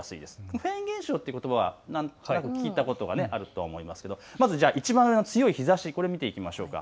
フェーン現象ということば、聞いたことがあると思いますけれどまずいちばん上の強い日ざし、これ見ていきましょうか。